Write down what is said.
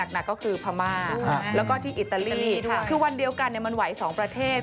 หนักก็คือพม่าแล้วก็ที่อิตาลีคือวันเดียวกันมันไหว๒ประเทศ